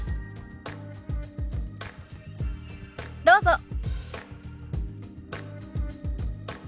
どうぞ。